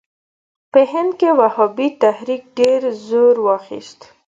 په هند کې وهابي تحریک ډېر زور واخیست.